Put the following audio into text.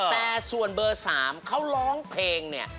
แต่ส่วนเบอร์๓เขาร้องเพลงเนี่ย